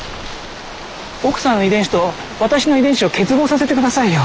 奥さんの遺伝子と私の遺伝子を結合させてくださいよ。